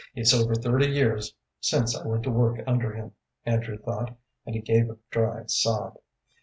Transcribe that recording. "It's over thirty years since I went to work under him," Andrew thought, and he gave a dry sob.